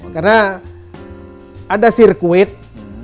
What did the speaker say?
karena ada sirkuit yang kita bisa menggunakan